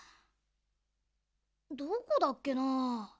どこだっけなあ。